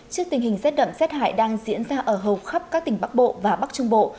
trước tình hình rét đậm rét hại đang diễn ra ở hầu khắp các tỉnh bắc bộ và bắc trung bộ